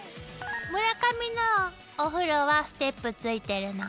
村上のお風呂はステップついてるの？